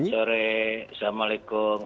selamat sore assalamualaikum